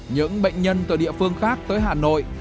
những bệnh nhân từ địa phương khác tới hà nội